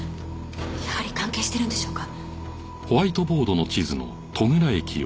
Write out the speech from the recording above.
やはり関係しているんでしょうか？